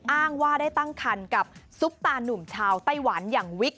อ้างว่าได้ตั้งคันกับซุปตานุ่มชาวไต้หวันอย่างวิก